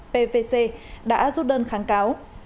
pvc đã rút đơn kháng cáo